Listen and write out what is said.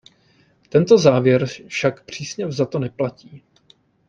Tento závěr však přísně vzato neplatí.